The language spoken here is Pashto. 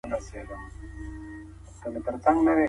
ما دغه نوی لفظ په کندهاري قاموس کي پیدا کړی.